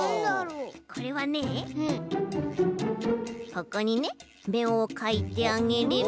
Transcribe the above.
これはねえここにねめをかいてあげれば。